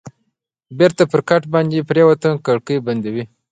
بېرته پر کټ باندې پرېوتم، کړکۍ بندې وې.